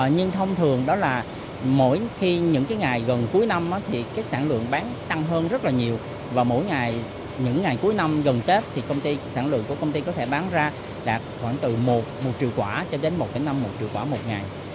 nhưng thông thường đó là mỗi khi những ngày gần cuối năm thì cái sản lượng bán tăng hơn rất là nhiều và mỗi ngày những ngày cuối năm gần tết thì sản lượng của công ty có thể bán ra đạt khoảng từ một triệu quả cho đến một năm triệu quả một ngày